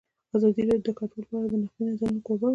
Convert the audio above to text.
ازادي راډیو د کډوال په اړه د نقدي نظرونو کوربه وه.